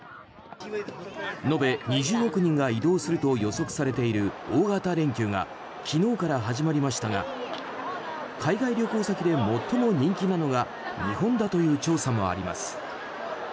延べ２０億人が移動すると予測されている大型連休が昨日から始まりましたが海外旅行先で最も人気なのが日本だという調査もあります。